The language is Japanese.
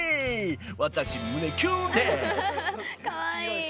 私胸キュンです！